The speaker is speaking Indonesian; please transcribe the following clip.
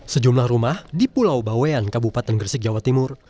sejumlah rumah di pulau bawean kabupaten gresik jawa timur